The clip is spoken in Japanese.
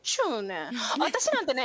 私なんてね